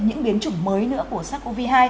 những biến chủng mới nữa của sars cov hai